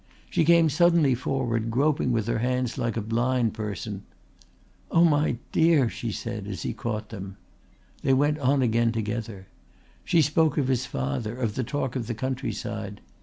She came suddenly forward, groping with her hands like a blind person. "Oh, my dear," she said as he caught them. They went on again together. She spoke of his father, of the talk of the countryside.